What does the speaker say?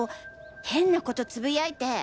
変なことつぶやいて。